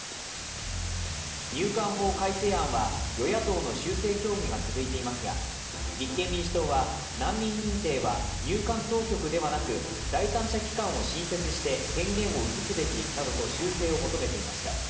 入管法改正案は与野党の修正協議が続いていますが立憲民主党は、難民認定は入管当局ではなく、第三者機関を新設して権限を移すべきなどと修正を求めていました。